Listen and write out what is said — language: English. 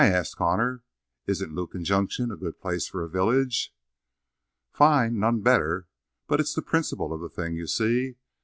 asked Connor. "Isn't Lukin Junction a good place for a village?" "Fine. None better. But it's the principle of the thing, you see?